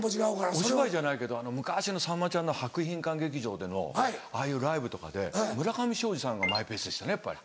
お芝居じゃないけど昔のさんまちゃんの博品館劇場でのああいうライブとかで村上ショージさんがマイペースでしたねやっぱり。